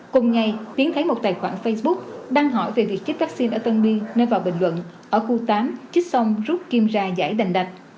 cùng ngày tiến thấy một tài khoản facebook đăng hỏi về việc chích vaccine ở tân biên nên vào bình luận ở khu tám chích xong rút kim ra giải đành đạch